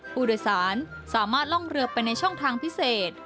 ผู้โดยสารสามารถล่องเรือไปในช่องทางพิเศษ